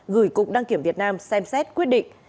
gửi cục đăng kiểm việt nam xem xét quyết định